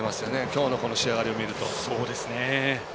きょうのこの仕上がりを見ると。